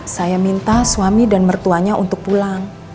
saya minta suami dan mertuanya untuk pulang